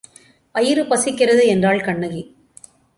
வயிறு பசிக்கிறது என்றாள் கண்ணகி.